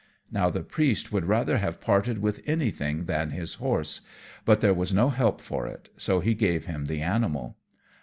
Now the Priest would rather have parted with anything than his horse; but there was no help for it, so he gave him the animal.